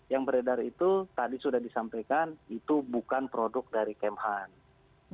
yang beredar itu tadi sudah disampaikan itu bukan produk dari kemhan